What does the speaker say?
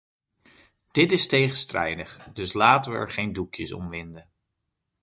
Dit is tegenstrijdig, dus laten we er geen doekjes om winden.